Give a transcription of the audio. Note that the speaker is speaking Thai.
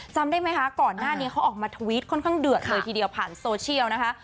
จำได้ไหมคะก่อนหน้านี้เขาออกมาทวิตค่อนข้างเดือดเลยทีเดียวผ่านโซเชียลนะคะ